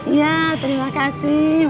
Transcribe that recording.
iya terima kasih